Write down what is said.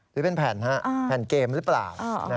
หรือเป็นแผ่นเกมหรือเปล่า